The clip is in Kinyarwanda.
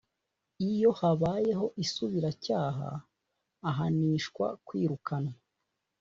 iyo habayeho isubiracyaha ahanishwa kwirukanwa